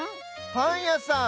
パンやさん。